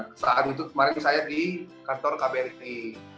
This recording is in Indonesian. nah saat itu kemarin saya di kantor kbri